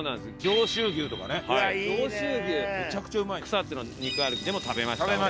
草津の肉歩きでも食べました我々。